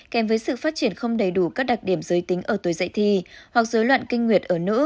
kèm với sự phát triển không đầy đủ các đặc điểm giới tính ở tuổi dạy thi hoặc dối loạn kinh nguyệt ở nữ